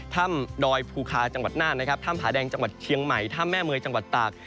ดอยภูคาจังหวัดน่านนะครับถ้ำผาแดงจังหวัดเชียงใหม่ถ้ำแม่เมยจังหวัดตาก